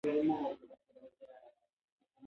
په پټه کې یې عقده او غوټه داسې له پړسوب څخه ډکه وه.